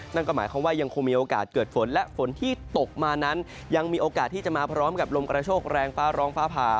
นั่นก็หมายความว่ายังคงมีโอกาสเกิดฝนและฝนที่ตกมานั้นยังมีโอกาสที่จะมาพร้อมกับลมกระโชคแรงฟ้าร้องฟ้าผ่า